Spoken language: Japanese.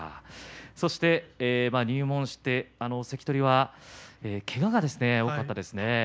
入門して関取はけがが多かったですね。